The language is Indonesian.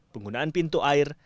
penggunaan pintu air